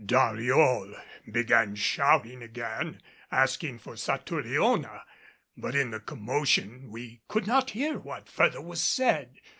Dariol began shouting again, asking for Satouriona, but in the commotion we could not hear what further was said.